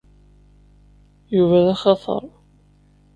Yuba d axatar.